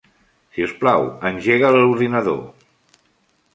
Si us plau, engega l'ordinador.